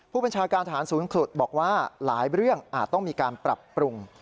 ผู้บัญชาการฐานศูนย์ขุดบอกว่าหลายเรื่องอาจต้องมีการปรับปรุง